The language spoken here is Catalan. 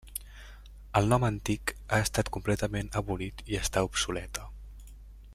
El nom antic ha estat completament abolit i està obsoleta.